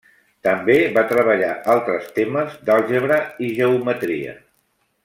També va treballar altres temes d'àlgebra i geometria.